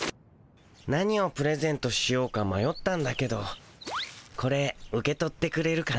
何をプレゼントしようかまよったんだけどこれ受け取ってくれるかな？